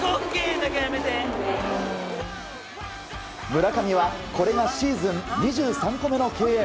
村上はこれがシーズン２３個目の敬遠。